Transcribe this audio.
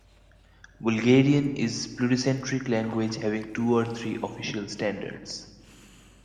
Bulgarian is pluricentric language having two or three official standards.